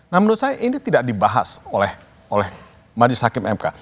nah menurut saya ini tidak dibahas oleh majlis hakim mk